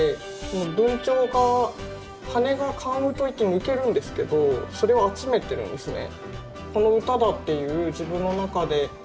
文鳥が羽根が替わる時抜けるんですけどそれを集めてるんですね。